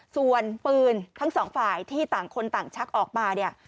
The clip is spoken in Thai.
ส่วนปืนทั้งสองฝ่ายที่ต่างคนต่างชักออกมาเนี่ย